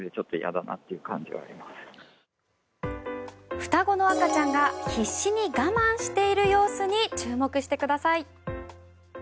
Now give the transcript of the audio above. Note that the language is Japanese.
双子の赤ちゃんが必死に我慢している様子に注目してください。